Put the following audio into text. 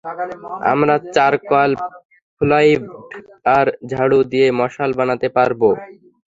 আমরা চার্কল ফ্লুইড আর ঝাড়ু দিয়ে মশাল বানাতে পারবো!